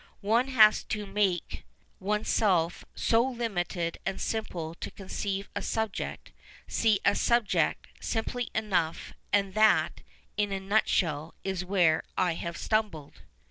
One has to 7nake oneself so limited and simple to conceive a subject, see a subject, simply enough, and that, in a nutshell, is where I have stumbled.''